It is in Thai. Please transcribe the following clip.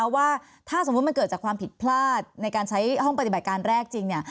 ว่าถ้าสมมุติมันเกิดจากความผิดพลาดในการใช้ห้องปฏิบัติการแรกจริง